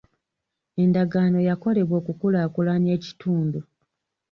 Endagaano yakolebwa okukulaakulanya ekitundu.